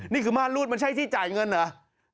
ม่านรูดมันใช่ที่จ่ายเงินเหรอ